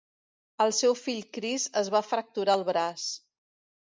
El seu fill Chris es va fracturar el braç.